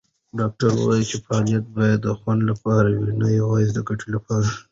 ډاکټره وویل چې فعالیت باید د خوند لپاره وي، نه یوازې د ګټې لپاره.